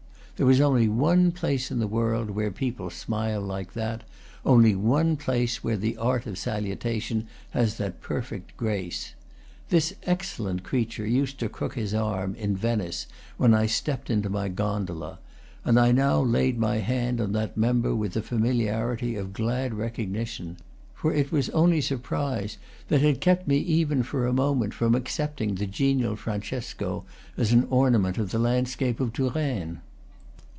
There was only one place in the world where people smile like that, only one place where the art of salutation has that perfect grace. This excellent creature used to crook his arm, in Venice, when I stepped into my gondola; and I now laid my hand on that member with the familiarity of glad recognition; for it was only surprise that had kept me even for a moment from accepting the genial Francesco as an ornament of the landscape of Touraine.